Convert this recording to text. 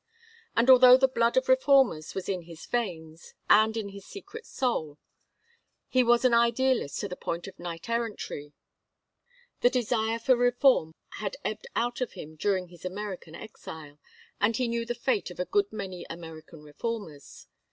And although the blood of reformers was in his veins, and in his secret soul he was an idealist to the point of knight errantry, the desire for reform had ebbed out of him during his American exile. And he knew the fate of a good many American reformers.